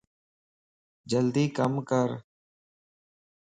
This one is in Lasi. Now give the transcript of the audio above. جلدي ڪم ڪر